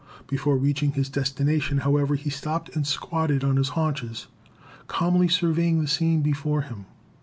Before reaching his destination, however, he stopped and squatted on his haunches, calmly surveying the scene before him.